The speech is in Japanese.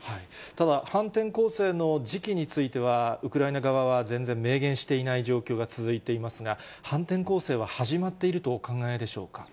ただ反転攻勢の時期については、ウクライナ側は全然明言していない状況が続いていますが、反転攻勢は始まっているとお考えでしょうか。